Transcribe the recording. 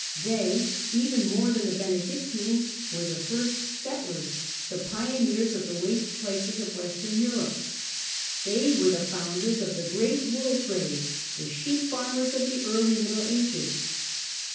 They, even more than the Benedictines, were the " first settlers," the " pioneers " of the waste places of Western Europe. They were the founders of the great wool trade, the sheep farmers of the early Middle Ages.